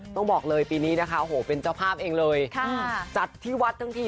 ต้องบอกเลยปีนี้นะคะโหเป็นเจ้าภาพเองเลยจัดที่วัดทั้งที